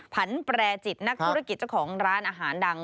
ผันแปรจิตนักธุรกิจเจ้าของร้านอาหารดัง